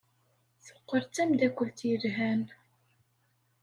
Teqqel d tameddakelt yelhan.